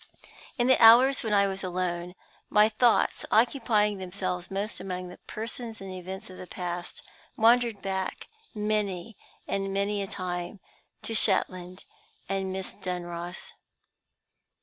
In the hours when I was alone, my thoughts occupying themselves mostly among the persons and events of the past wandered back, many and many a time, to Shetland and Miss Dunross.